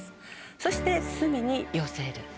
そして隅に寄せる。